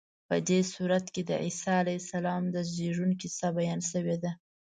په دې سورت کې د عیسی علیه السلام د زېږون کیسه بیان شوې ده.